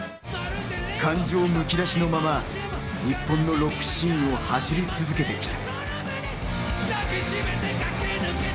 感情をむき出しのまま、日本のロックシーンを走り続けてきた。